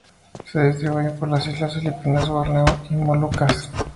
Se distribuyen por las islas Filipinas, Borneo y las Molucas.